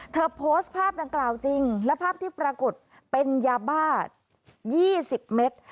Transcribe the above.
โพสต์ภาพดังกล่าวจริงและภาพที่ปรากฏเป็นยาบ้า๒๐เมตร